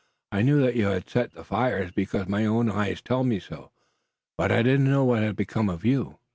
I knew that you had set the fires, because my own eyes tell me so, but I didn't know what had become of you."